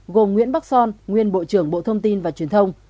gồm nguyễn bắc son nguyên bộ trưởng bộ thông tin và truyền thông